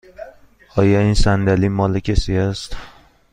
آیا این صندلی مال کسی است؟